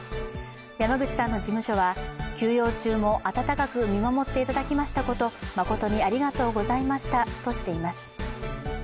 山口さんの事務所は休養中も温かく見守っていただきましたことを誠にありがとうございましたとしています。